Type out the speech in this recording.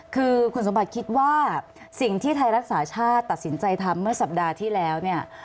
คือคุณสมบัติคิดว่าสิ่งที่ไทยรักษาชาติตัดสินใจทำเมื่อสัปดาห์ที่แล้วเนี่ย